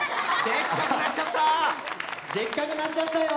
でっかくなっちゃったよ！